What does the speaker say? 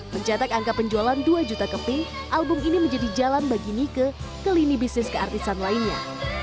mencetak angka penjualan dua juta keping album ini menjadi jalan bagi nike ke lini bisnis keartisan lainnya